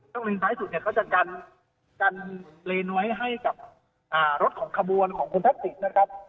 เลนซ้ายสุดเนี่ยเขาจะกันเลนไว้ให้กับรถของขบวนของคุณทักษิณนะครับ